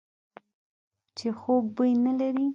چې خوږ بوی نه لري .